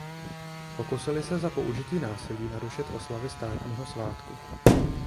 Pokusili se za použití násilí narušit oslavy státního svátku.